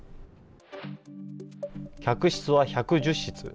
客室は１１０室。